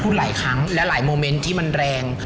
หลายครั้งและหลายโมเมนต์ที่มันแรง